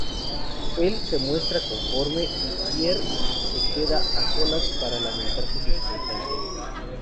Él se muestra conforme, y Pierre se queda a solas para lamentar sus circunstancias.